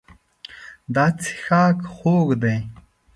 دا څښاک خوږ دی.